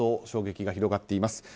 衝撃が広がっています。